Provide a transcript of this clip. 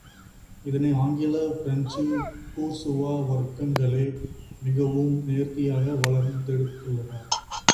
இதனை ஆங்கில, பிரஞ்சு பூர்சுவா வர்க்கங்களே மிகவும் நேர்த்தியாக வளர்ந் தெடுத்துள்ளன.